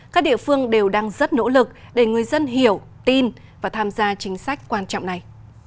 các địa phương đều đang rất nỗ lực để người dân hiểu tin và tham gia chính sách quan trọng này